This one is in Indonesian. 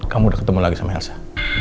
kamu udah ketemu lagi sama elsa